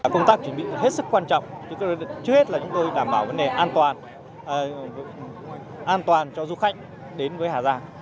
công tác chuẩn bị hết sức quan trọng trước hết là chúng tôi đảm bảo vấn đề an toàn an toàn cho du khách đến với hà giang